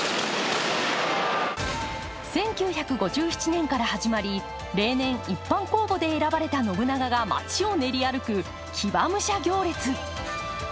１９５７年から始まり例年、一般公募で選ばれた信長が町を練り歩く騎馬武者行列。